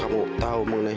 saya jadi orang yakin